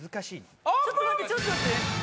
ちょっと待ってちょっと待ってオープン！